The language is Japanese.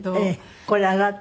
これあなた？